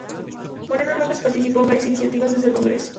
Moreno Rojas participó en varias iniciativas desde el Congreso.